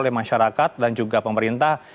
oleh masyarakat dan juga pemerintah